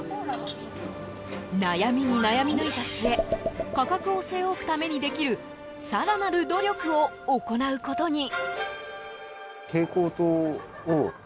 悩みに悩み抜いた末価格を据え置くためにできる更なる努力を行うことに。